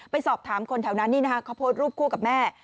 ไปสอบถามคนแถวนั้นนี่นะคะเขาโพสต์รูปคู่กับแม่